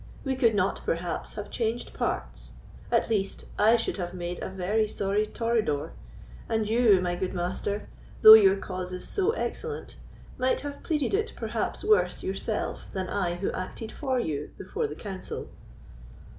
We could not, perhaps, have changed parts; at least I should have made a very sorry Tauridor, and you, my good Master, though your cause is so excellent, might have pleaded it perhaps worse yourself than I who acted for you before the council."